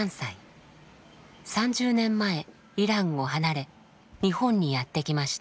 ３０年前イランを離れ日本にやって来ました。